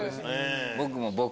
僕も。